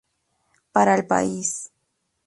Para el país.